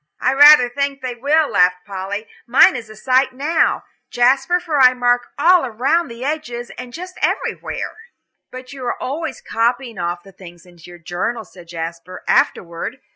"I rather think they will," laughed Polly. "Mine is a sight now, Jasper, for I mark all round the edges and just everywhere." "But you are always copying off the things into your journal," said Jasper, "afterward.